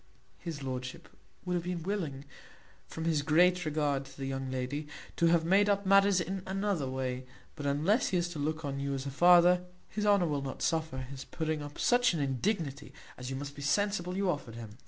His lordship would have been willing, from his great regard to the young lady, to have made up matters in another way; but unless he is to look on you as a father, his honour will not suffer his putting up such an indignity as you must be sensible you offered him."